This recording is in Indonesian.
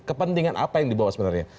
kepentingan apa yang dibawa sebenarnya